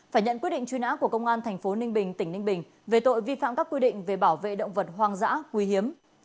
phải nhận quyết định truy nã của công an tp ninh bình tỉnh ninh bình về tội vi phạm các quy định về bảo vệ động vật hoang dã quý hiếm